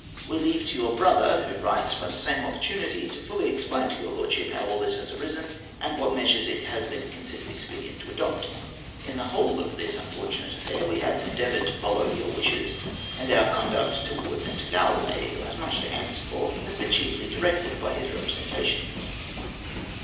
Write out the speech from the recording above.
We leave to your brother, who writes by the same opportunity, to explain fully to your lordship how all this has arisen, and what measures it has been considered expedient to adopt. In the whole of this unfortunate affair we have endeavoured to follow your wishes; and our conduct towards Mr. Galloway, who has much to answer for, has been chiefly directed by his representations."